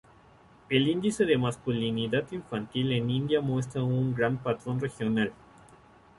El índice de masculinidad infantil en India muestra un patrón regional.